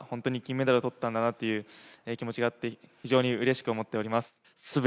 本当に金メダルを取ったんだなという気持ちがあって、非常にうれしく思っています。